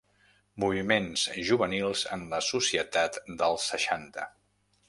Moviments juvenils en la societat dels seixanta.